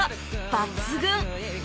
抜群！